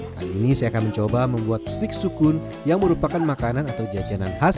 kali ini saya akan mencoba membuat stik sukun yang merupakan makanan atau jajanan khas